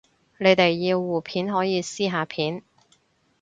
你哋要互片可以私下片